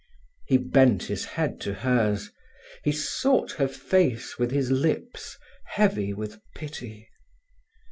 He bent his head to hers, he sought her face with his lips, heavy with pity.